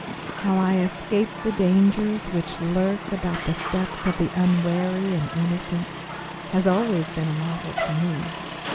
How I escaped the dangers which lurk about the steps of the unwary and innocent has always been a marvel to me.